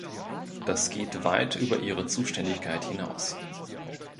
Das geht weit über ihre Zuständigkeit hinaus.